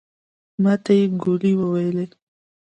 ماته ګولي وويلې.